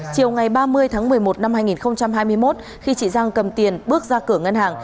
chiều ngày ba mươi tháng một mươi một năm hai nghìn hai mươi một khi chị giang cầm tiền bước ra cửa ngân hàng